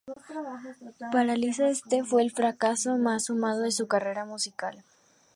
Para Lisa, este fue otro fracaso más sumado a su carrera musical.